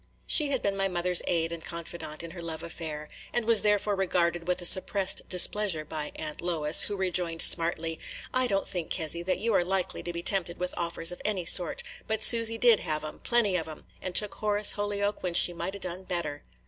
She had been my mother's aid and confidante in her love affair, and was therefore regarded with a suppressed displeasure by Aunt Lois, who rejoined, smartly: "I don't think, Kezzy, that you are likely to be tempted with offers of any sort; but Susy did have 'em, – plenty of 'em, – and took Horace Holyoke when she might 'a' done better.